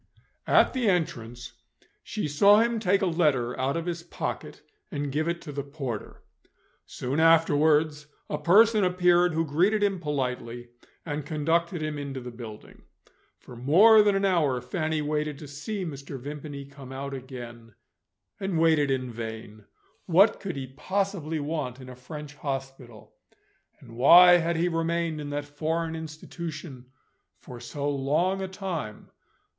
At the entrance she saw him take a letter out of his pocket, and give it to the porter. Soon afterwards, a person appeared who greeted him politely, and conducted him into the building. For more than an hour, Fanny waited to see Mr. Vimpany come out again, and waited in vain. What could he possibly want in a French hospital? And why had he remained in that foreign institution for so long a time?